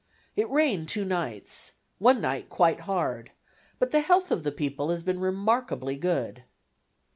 It rained two nights, one night quite hard, but the health of the people has been remarkably good.